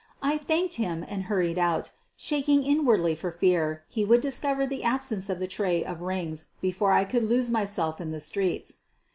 I thanked him and hurried out, shaking inwardly for fear he would discover the absence of the tray of rings before I could lose myself in the streets.